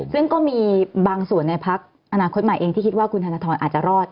ซึ่งก็มีบางส่วนในพักอนาคตใหม่เองที่คิดว่าคุณธนทรอาจจะรอด